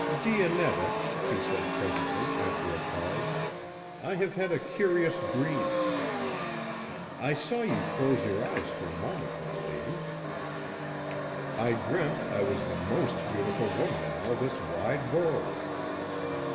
"Dionetta," she said, presently, after a pause, "I have had a curious dream." "I saw you close your eyes for a moment, my lady." "I dreamt I was the most beautiful woman in all this wide world."